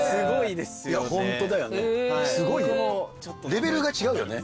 レベルが違うよね。